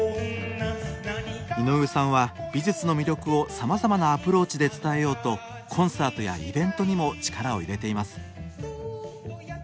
井上さんは美術の魅力をさまざまなアプローチで伝えようとコンサートやイベントにも力を入れています。